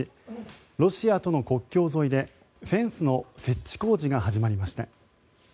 ロシアとの国境沿いでフェンスの設置工事が始まりました。